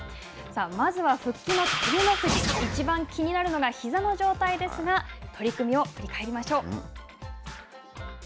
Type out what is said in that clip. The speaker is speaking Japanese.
まずは、復帰の照ノ富士、いちばん気になるのがひざの状態ですが取組を振り返りましょう。